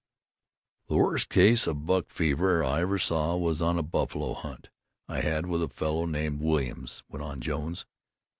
"The worst case of buck fever I ever saw was on a buffalo hunt I had with a fellow named Williams," went on Jones.